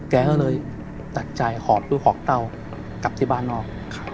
แกก็เลยตัดใจหอบลูกหอบเต้ากลับที่บ้านนอก